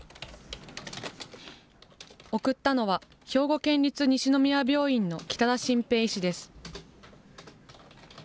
送ったのは、兵庫県立西宮病院の北田真平医師です。